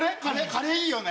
カレーいいよね。